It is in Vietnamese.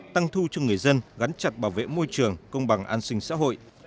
tăng thu cho người dân gắn chặt bảo vệ môi trường công bằng an sinh xã hội